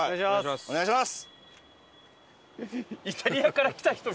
お願いします。